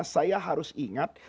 saya harus ingat